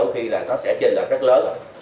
thì là nó sẽ trên giá rất lớn rồi